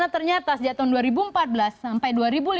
ternyata sejak tahun dua ribu empat belas sampai dua ribu lima belas